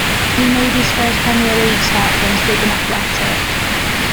He made his first Premier League start against Wigan Athletic.